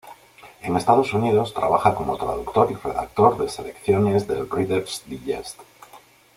En Estados Unidos trabaja como traductor y redactor de Selecciones del Reader's Digest.